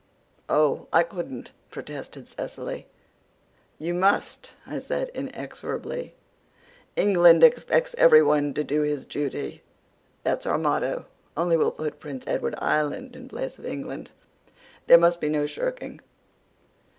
"Oh, I couldn't," protested Cecily. "You must," I said inexorably. "'England expects everyone to do his duty.' That's our motto only we'll put Prince Edward Island in place of England. There must be no shirking.